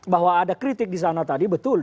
bahwa ada kritik disana tadi betul